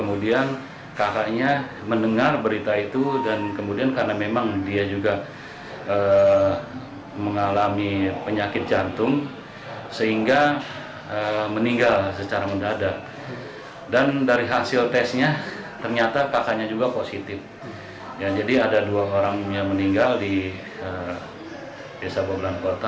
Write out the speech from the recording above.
untuk menjalani pemeriksaan